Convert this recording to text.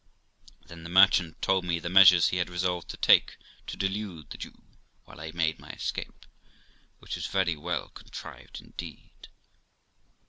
Then the merchant told me the measures he had resolved to take to delude the Jew while I made my escape, which was very well contrived indeed.